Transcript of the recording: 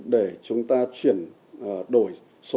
để chúng ta chuyển đổi